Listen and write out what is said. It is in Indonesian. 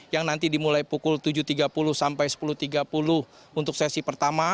yang nanti dimulai pukul tujuh tiga puluh sampai sepuluh tiga puluh untuk sesi pertama